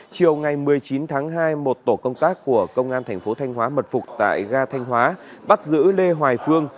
chiều ngày một mươi chín tháng hai một tổ công tác của công an thành phố thanh hóa mật phục tại ga thanh hóa bắt giữ lê hoài phương